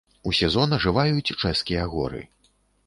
У сезон ажываюць чэшскія горы.